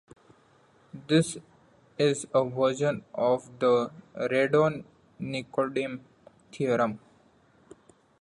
This is a version of the Radon-Nikodym theorem.